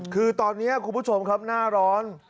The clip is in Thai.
คือตอนนี้คุณผู้ชมครับหน้าร้อน